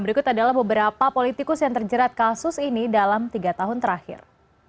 berikut adalah beberapa politikus yang terjerat kasus ini dalam tiga tahun terakhir